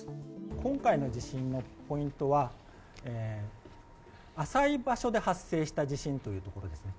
今回の地震のポイントは、浅い場所で発生した地震というところですね。